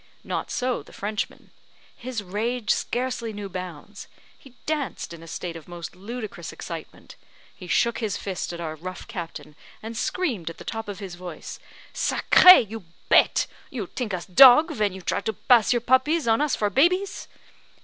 Not so the Frenchman; his rage scarcely knew bounds he danced in a state of most ludicrous excitement, he shook his fist at our rough captain, and screamed at the top of his voice "Sacre, you bete! You tink us dog, ven you try to pass your puppies on us for babies?"